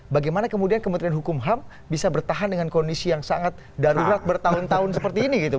bagaimana kemudian kementerian hukum ham bisa bertahan dengan kondisi yang sangat darurat bertahun tahun seperti ini gitu